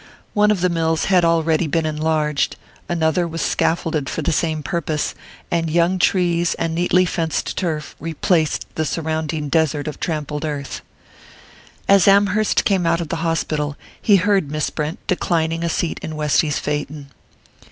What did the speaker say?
One of the mills had already been enlarged, another was scaffolded for the same purpose, and young trees and neatly fenced turf replaced the surrounding desert of trampled earth. As Amherst came out of the hospital, he heard Miss Brent declining a seat in Westy's phaeton.